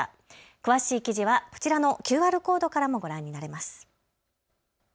詳しい記事はこちらのＱＲコードからもご覧になれます。